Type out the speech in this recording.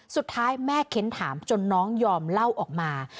สุดท้ายแม่เค้นถามจนน้องยอมเล่าออกมา